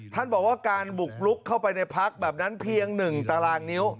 ท่านบอกว่าการบุกลุกเข้าไปในพักแบบนั้นเพียง๑ตารางนิ้ว